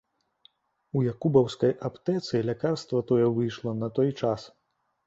У якубаўскай аптэцы лякарства тое выйшла на той час.